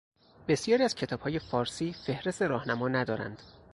بسیاری از کتابهای فارسی فهرست راهنما ندارند.